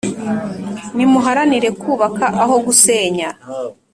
nimuharanire kubaka aho gusenya,